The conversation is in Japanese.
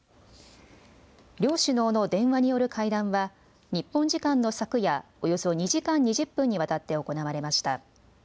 両首脳の電話による会談は、日本時間の昨夜、およそ２時間２０分にわたって行われました。